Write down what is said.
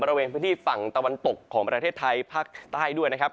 บริเวณพื้นที่ฝั่งตะวันตกของประเทศไทยภาคใต้ด้วยนะครับ